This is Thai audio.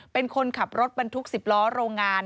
เป็นคนขับรถบรรทุก๑๐ล้อโรงงาน